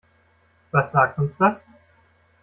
Was sagt uns das?